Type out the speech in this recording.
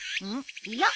よっ！